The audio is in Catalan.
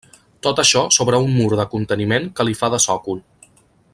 Tot això sobre un mur de conteniment que li fa de sòcol.